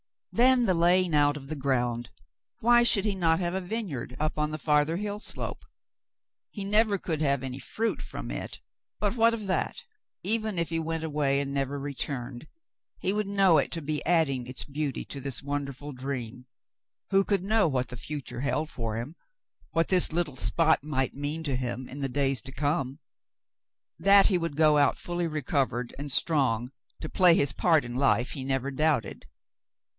Then the laying out of the ground ! Why should he not have a vineyard up on the farther hill slope .^ He never could have any fruit from it, but what of that ! Even if he went away and never returned, he would know it to be adding its beauty to this wonderful dream. Who could know what the future held for him — what this little spot might mean to him in the days to come ^ That he would go out, fully recovered and strong to play his part in life, he never doubted.